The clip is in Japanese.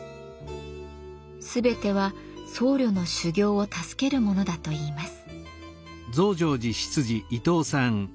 全ては僧侶の修行を助けるものだといいます。